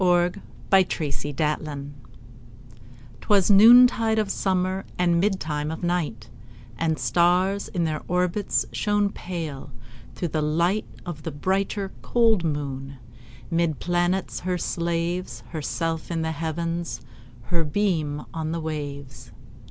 1827 Evening Star 'Twas noontide of summer, And midtime of night, And stars, in their orbits, Shone pale, through the light Of the brighter, cold moon. 'Mid planets her slaves, Herself in the Heavens, Her beam on the waves.